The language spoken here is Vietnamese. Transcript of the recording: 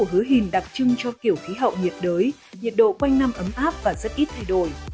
hứa hình đặc trưng cho kiểu khí hậu nhiệt đới nhiệt độ quanh năm ấm áp và rất ít thay đổi